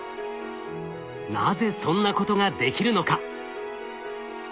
なぜそんなことができるのか。